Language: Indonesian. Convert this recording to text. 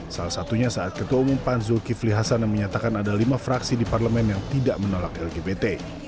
salah satunya saat ketua umum pan zulkifli hasan yang menyatakan ada lima fraksi di parlemen yang tidak menolak lgbt